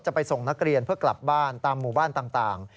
ไปส่งนักเรียนเพื่อกลับบ้านตามหมู่บ้านต่าง